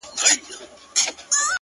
• په نصیب یې ورغلی شین جنت وو ,